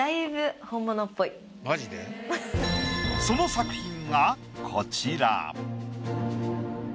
その作品がこちら。